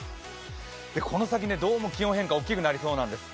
この先、どうも気温変化大きくなりそうなんです。